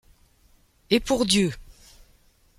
Et pour Dieu !